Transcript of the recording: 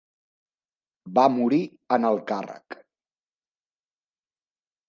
Va morir en el càrrec.